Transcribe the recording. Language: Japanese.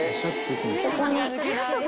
ここに。